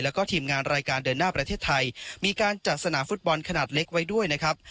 แล้วก็ทีมงานรายการเดินหน้าประเทศไทยมีการจัดสนามฟุตบอลขนาดเล็กไว้ด้วยนะครับ